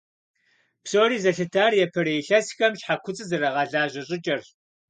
Псори зэлъытар япэрей илъэсхэм щхьэ куцӀыр зэрагъэлажьэ щӀыкӀэрщ.